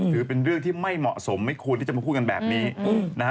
ถือเป็นเรื่องที่ไม่เหมาะสมไม่ควรที่จะมาพูดกันแบบนี้นะฮะ